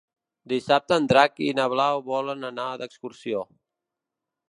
Dissabte en Drac i na Blau volen anar d'excursió.